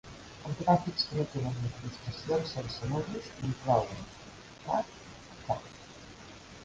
Els gràfics que no tenen incrustacions sense nusos inclouen "K" i "K".